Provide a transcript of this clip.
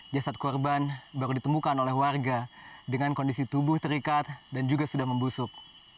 jasad korban baru ditemukan oleh warga dengan kondisi tubuh terikat dan juga sudah membusuk